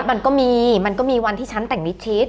มันก็มีมันก็มีวันที่ฉันแต่งมิดชิด